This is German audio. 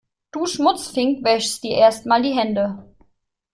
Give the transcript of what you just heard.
Du Schmutzfink wäschst dir erst mal die Hände.